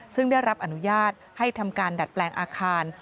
ซึ่งได้รับอนุญาตให้ทำการดัดแปลงอาคาร